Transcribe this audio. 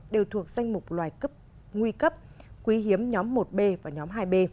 đều thuộc danh mục loài cấp nguy cấp quý hiếm nhóm một b và nhóm hai b